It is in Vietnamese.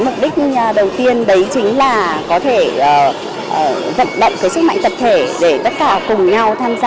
mục đích đầu tiên đấy chính là có thể vận động cái sức mạnh tập thể để tất cả cùng nhau tham gia